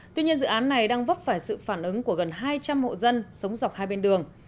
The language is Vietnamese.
tuy nhiên dự án này đang vấp phải sự phản ứng của gần hai trăm linh hộ dân sống dọc hai bên đường